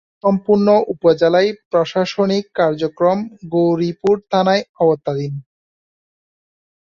সম্পূর্ণ উপজেলার প্রশাসনিক কার্যক্রম গৌরীপুর থানার আওতাধীন।